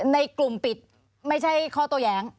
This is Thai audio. ในกลุ่มปิดไม่ใช่ข้อโตแย้ง